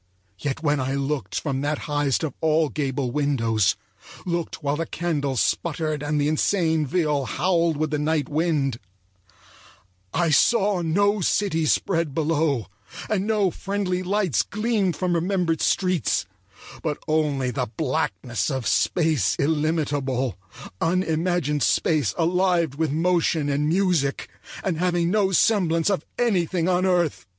Yet when I looked from that highest of all gable windows, looked while the candles sputtered and the insane viol howled with the night wind, I saw no city spread below, and no friendly lights gleamed from remembered streets, but only the blackness of space illimitable; unimagined space alive with motion and music, and having no semblance of anything on earth.